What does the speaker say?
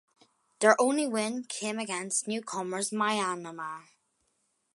Their only win came against newcomers Myanmar.